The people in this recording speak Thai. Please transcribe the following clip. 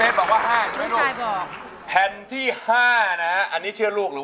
ตัวช่วยแผ่นที่ห้าก็คือ